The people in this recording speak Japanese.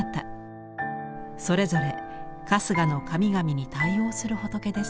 それぞれ春日の神々に対応する仏です。